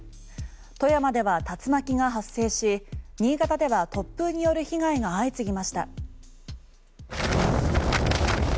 富山では竜巻が発生し新潟では突風による被害が相次ぎました。